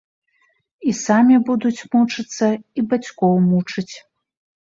І самі будуць мучыцца і бацькоў мучыць.